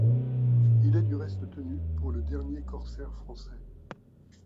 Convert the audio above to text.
Il est du reste tenu pour le dernier corsaire français.